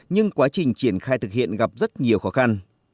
nhưng quá trình triển khai thực hiện gặp rất nhiều khó khăn